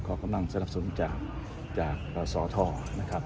มองว่าเป็นการสกัดท่านหรือเปล่าครับเพราะว่าท่านก็อยู่ในตำแหน่งรองพอด้วยในช่วงนี้นะครับ